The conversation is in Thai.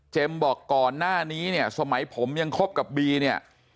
บอกก่อนหน้านี้เนี่ยสมัยผมยังคบกับบีเนี่ย